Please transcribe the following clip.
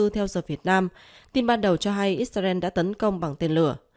theo giờ việt nam tin ban đầu cho hay israel đã tấn công bằng tên lửa